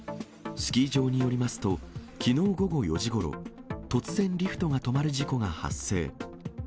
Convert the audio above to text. スキー場によりますと、きのう午後４時ごろ、突然リフトが止まる事故が発生。